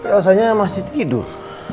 tapi asalnya masih tidur